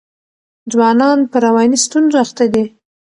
ځوانان په رواني ستونزو اخته دي.